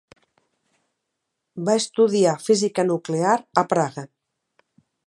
Va estudiar física nuclear a Praga.